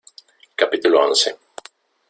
capítulo once.